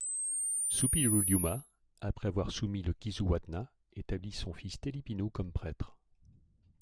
Suppiluliuma, après avoir soumis le Kizzuwatna établit son fils Télipinu comme prêtre.